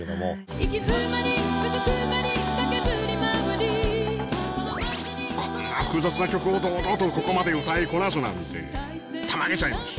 「行きづまりうずくまりかけずりまわり」こんな複雑な曲を堂々とここまで歌いこなすなんてたまげちゃいました。